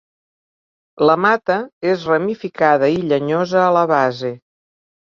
La mata és ramificada i llenyosa a la base.